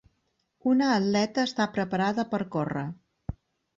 Una atleta està preparada per córrer.